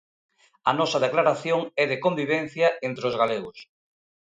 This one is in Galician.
A nosa declaración é de convivencia entre os galegos.